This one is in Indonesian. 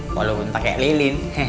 walaupun pakai lilin